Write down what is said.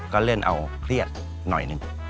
ก็เล่นเอาเครียดหน่อยหนึ่ง